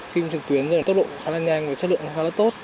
phim trực tuyến rồi tốc độ cũng khá là nhanh và chất lượng cũng khá là tốt